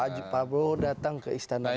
pak prabowo datang ke istana